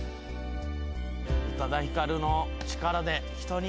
宇多田ヒカルの力でヒトに。